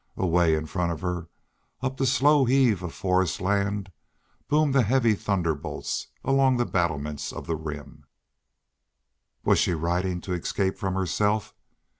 Away in front of her, up the slow heave of forest land, boomed the heavy thunderbolts along the battlements of the Rim. Was she riding to escape from herself?